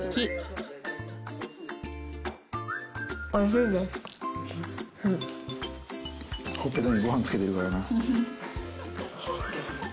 ほっぺたにご飯つけてるからな。